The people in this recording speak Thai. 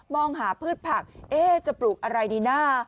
องหาพืชผักจะปลูกอะไรดีนะ